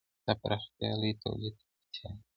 دا پراختیا لوی تولید ته اړتیا لري.